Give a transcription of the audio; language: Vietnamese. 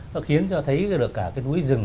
nó khiến cho thấy được cả cái núi rừng